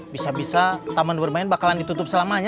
bisa bisa taman bermain bakalan ditutup selama ini ya